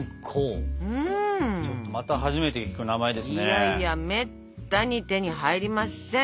いやいやめったに手に入りません。